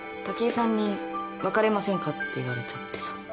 武居さんに「別れませんか」って言われちゃってさ。